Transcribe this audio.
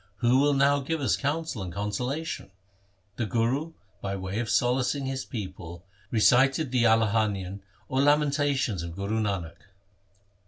Who will now give us counsel and consolation ?' The Guru by way of solacing his people recited the Alahanian or Lamentations of Guru Nanak.